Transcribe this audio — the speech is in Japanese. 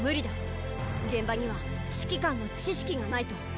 現場には指揮官の知識がないと。